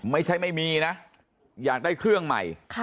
ไม่มีนะอยากได้เครื่องใหม่